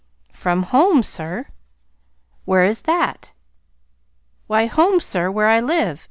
"From home, sir." "Where is that?" "Why, home, sir, where I live.